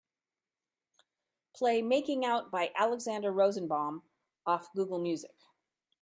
Play Making Out by Alexander Rosenbaum off Google Music.